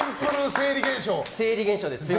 生理現象です。